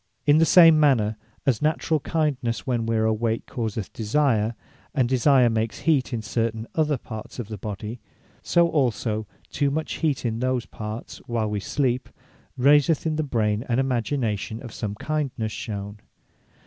In the same manner; as naturall kindness, when we are awake causeth desire; and desire makes heat in certain other parts of the body; so also, too much heat in those parts, while wee sleep, raiseth in the brain an imagination of some kindness shewn.